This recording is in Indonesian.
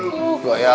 tuh gak ya